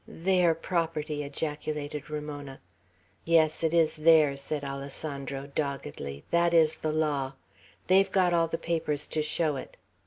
"Their property!" ejaculated Ramona. "Yes; it is theirs," said Alessandro, doggedly. "That is the law. They've got all the papers to show it.